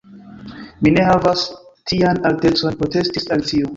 "Mi ne havas tian altecon," protestis Alicio.